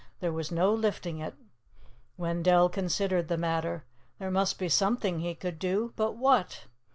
There was no lifting it. Wendell considered the matter. There must be something he could do, but what?